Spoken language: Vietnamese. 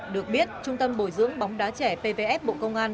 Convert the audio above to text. được biết trung tâm bồi dưỡng bóng đá trẻ pvf bộ công an